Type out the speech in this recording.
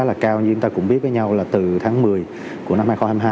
rất là cao như chúng ta cũng biết với nhau là từ tháng một mươi của năm hai nghìn hai mươi hai